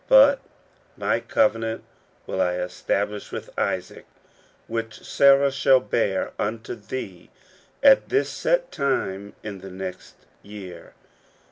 But mv covenant will I estah lish with Isaac, which Sarah shall bear unto thee at this set time in the next year."